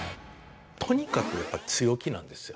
とにかくやっぱり強気なんですよ。